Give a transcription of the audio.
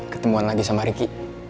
ketemuan lagi sama riki